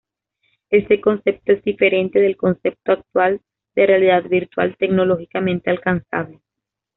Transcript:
Este concepto es diferente del concepto actual de realidad virtual, tecnológicamente alcanzable.